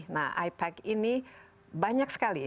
nah ipac ini banyak sekali